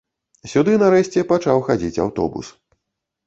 Сюды, нарэшце, пачаў хадзіць аўтобус.